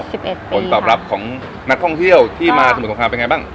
สิบเอ็ดผลตอบรับของนักท่องเที่ยวที่มาสมุทรสงครามเป็นไงบ้าง